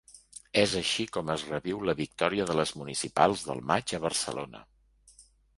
És així com es reviu la victòria de les municipals del maig a Barcelona.